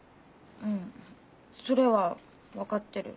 うんそれは分かってる。